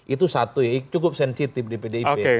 itu satu ya cukup sensitif di pdip